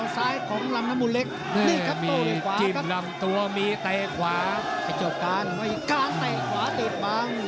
ซ้ายของลำนมูลเล็กนี่ครับตัวมีขวาครับ